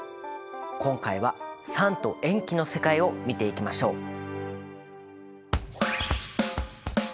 今回は酸と塩基の世界を見ていきましょう。